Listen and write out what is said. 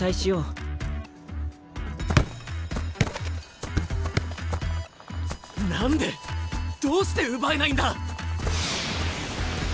心の声何でどうして奪えないんだ！